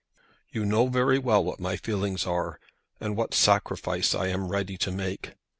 You know very well what my feelings are, and what sacrifice I am ready to make.